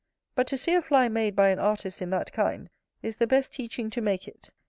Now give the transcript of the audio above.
But to see a fly made by an artist in that kind, is the best teaching to make it.